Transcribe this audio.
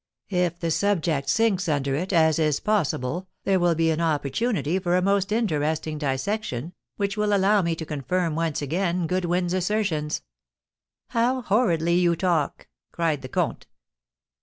"If the subject sinks under it, as is possible, there will be an opportunity for a most interesting dissection, which will allow me to confirm once again Goodwin's assertions." "How horridly you talk!" cried the comte.